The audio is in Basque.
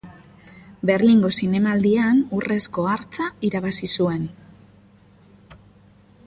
Berlingo Zinemaldian Urrezko Hartza irabazi zuen.